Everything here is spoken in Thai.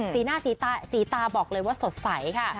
สีตาบอกเลยว่าสดใสค่ะ